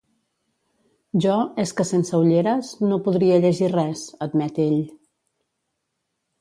Jo, és que sense ulleres, no podria llegir res —admet ell.